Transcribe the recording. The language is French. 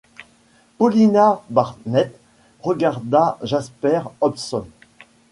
Paulina Barnett regarda Jasper Hobson.